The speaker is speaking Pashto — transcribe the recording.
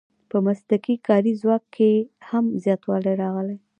په مسلکي کاري ځواک کې هم زیاتوالی راغلی.